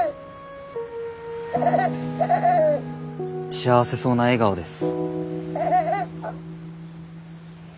幸せそうな笑顔です。